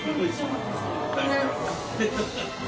ハハハ